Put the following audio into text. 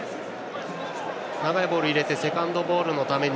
長いボールを入れてセカンドボールのために